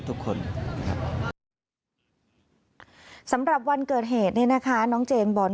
ทุกคนนะครับสำหรับวันเกิดเหตุเนี่ยนะคะน้องเจมส์บอล